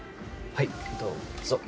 はいどうぞ。